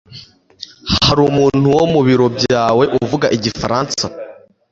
Hari umuntu wo mu biro byawe uvuga igifaransa?